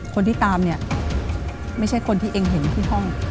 คนที่ตามเนี่ยไม่ใช่คนที่เองเห็นที่ห้อง